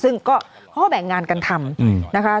ซึ่งก็เขาก็แบ่งงานกันทำนะคะ